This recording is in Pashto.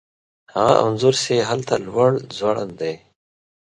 هغه انځور چې هلته لوړ ځوړند دی